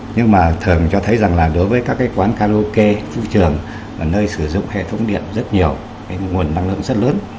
nhưng mà thường cho thấy rằng là đối với các quán karaoke vũ trường nơi sử dụng hệ thống điện rất nhiều nguồn năng lượng rất lớn